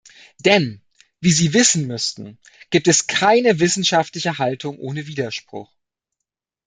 Denn, wie Sie wissen müssten, gibt es keine wissenschaftliche Haltung ohne Widerspruch.